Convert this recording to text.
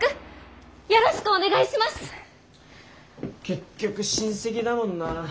結局親戚だもんな。